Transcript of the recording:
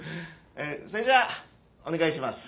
それじゃあお願いします。